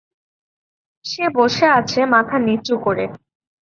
সে বসে আছে মাথা নিচু করে।